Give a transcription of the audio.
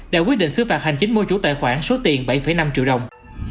đã quyết định xứ phạt hành chính mua chủ tài khoản số tiền bảy năm triệu đồng